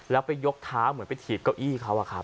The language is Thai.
แล้วไปยกเท้าเหมือนไปถีบเก้าอี้เขาอะครับ